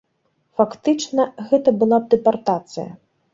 Фактычна, гэта была б дэпартацыя.